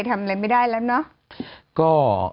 ทำอะไรไม่ได้แล้วเนาะ